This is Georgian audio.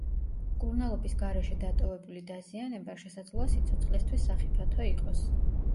მკურნალობის გარეშე დატოვებული დაზიანება შესაძლოა სიცოცხლისთვის სახიფათო იყოს.